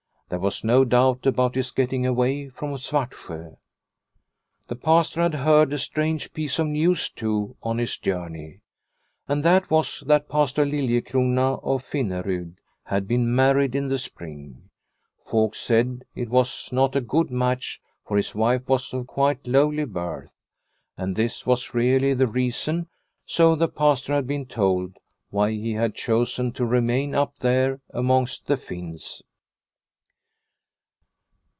There was no doubt about his getting away from Svartsjo. The Pastor had heard a strange piece of news too on his journey, and that was that Pastor Liliecrona of Finnerud had been married in the spring. Folks said it was not a A Spring Evening 217 good match, for his wife was of quite lowly birth. And this was really the reason, so the Pastor had been told, why he had chosen to remain up there amongst the Finns.